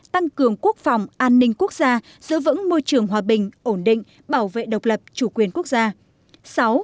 tăng cường quốc phòng an ninh quốc gia giữ vững môi trường hòa bình ổn định bảo vệ độc lập chủ quyền quốc gia